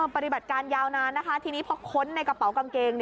ปฏิบัติการยาวนานนะคะทีนี้พอค้นในกระเป๋ากางเกง